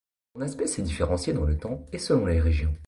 Son aspect s'est différencié dans le temps et selon les régions.